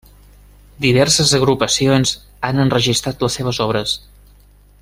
Diverses agrupacions han enregistrat les seves obres.